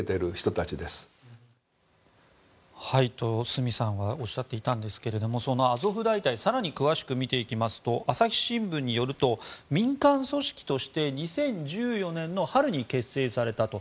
角さんはこうおっしゃっていたんですがそのアゾフ大隊更に詳しく見ていきますと朝日新聞によると民間組織として２０１４年の春に結成されたと。